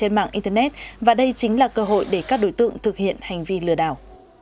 trên mạng internet và đây chính là cơ hội để các đối tượng thực hiện hành vi lừa đảo